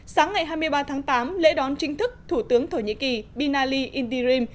sáng ngày hai mươi ba tháng tám lễ đón chính thức thủ tướng thổ nhĩ kỳ binali indirim